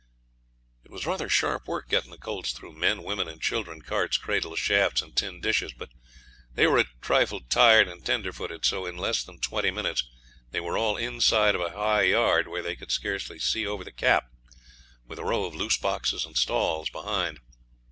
It was rather sharp work getting the colts through men, women, and children, carts, cradles, shafts, and tin dishes; but they were a trifle tired and tender footed, so in less than twenty minutes they were all inside of a high yard, where they could scarcely see over the cap, with a row of loose boxes and stalls behind.